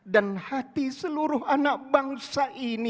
dan hati seluruh anak bangsa ini